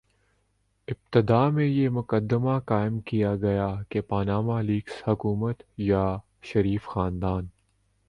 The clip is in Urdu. ابتدا میں یہ مقدمہ قائم کیا گیا کہ پاناما لیکس حکومت یا شریف خاندان